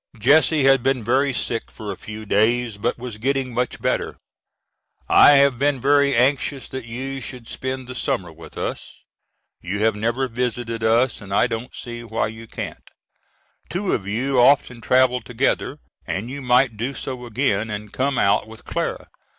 Jesse had been very sick for a few days but was getting much better. I have been very anxious that you should spend the summer with us. You have never visited us and I don't see why you can't. Two of you often travel together, and you might do so again, and come out with Clara.